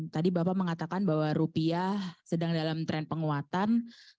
tadi bapak mengatakan bahwa rupiah sedang dalam tren penguatan